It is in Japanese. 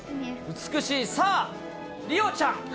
美しい、さあ、梨央ちゃん。